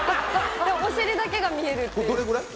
お尻だけが見えるっていうこれぐらい？